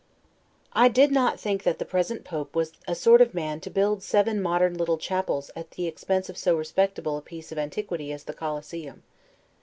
I did not think that the present Pope was a sort of man to build seven modern little chapels at the expense of so respectable a piece of antiquity as the Coliseum.